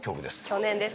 去年です。